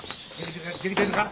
できてるか？